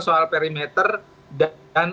soal perimeter dan